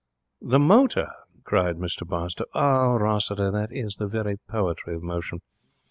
'The motor!' cried Mr Barstowe. 'Ah, Rossiter, that is the very poetry of motion.